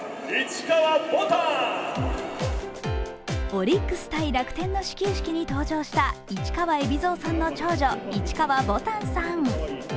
オリックス×楽天の始球式に登場した市川海老蔵さんの長女市川ぼたんさん。